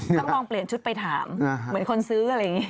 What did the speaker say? ต้องลองเปลี่ยนชุดไปถามเหมือนคนซื้ออะไรอย่างนี้